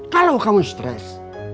kalau kamu stres